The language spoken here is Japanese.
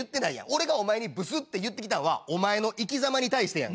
俺がお前にブスって言ってきたんはお前の生きざまに対してや。